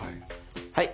はい。